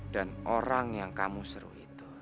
dan orang yang kamu suruh itu